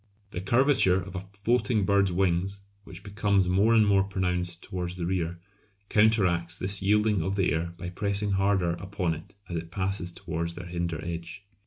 The curvature of a floating bird's wings, which becomes more and more pronounced towards the rear, counteracts this yielding of the air by pressing harder upon it as it passes towards their hinder edge.